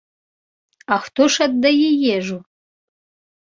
А хто ж аддае ежу?